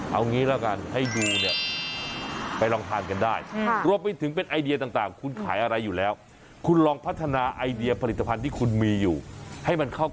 เอางี้แล้วกันให้ดูเนี่ยไปลองทานกันได้รวมไปถึงเป็นไอเดียต่าง